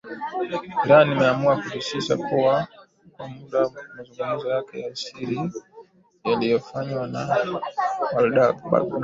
Iran imeamua kusitisha kwa muda mazungumzo yake ya siri yaliyofanywa na Baghdad.